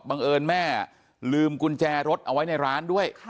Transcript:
เอิญแม่ลืมกุญแจรถเอาไว้ในร้านด้วย